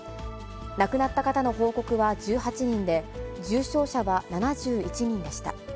亡くなった方の報告は１８人で、重症者は７１人でした。